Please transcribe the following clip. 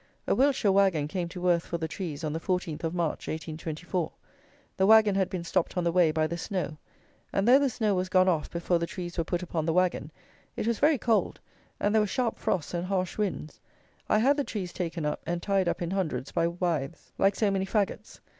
A Wiltshire wagon came to Worth for the trees on the 14th of March 1824. The wagon had been stopped on the way by the snow; and though the snow was gone off before the trees were put upon the wagon, it was very cold, and there were sharp frosts and harsh winds. I had the trees taken up, and tied up in hundreds by withes, like so many fagots.